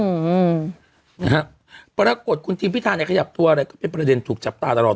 อืมนะฮะปรากฏคุณทีมพิธาเนี่ยขยับตัวอะไรก็เป็นประเด็นถูกจับตาตลอด